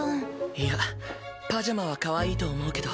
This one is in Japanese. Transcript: いやパジャマはかわいいと思うけど。